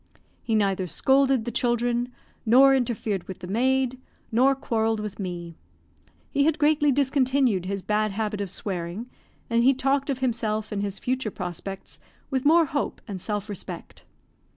He neither scolded the children nor interfered with the maid, nor quarrelled with me. He had greatly discontinued his bad habit of swearing, and he talked of himself and his future prospects with more hope and self respect.